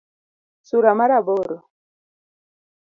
Sura mar aboro